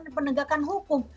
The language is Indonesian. pengawasan penegakan hukum